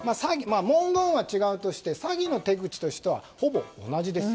文言は違うとして詐欺の手口としてはほぼ同じです。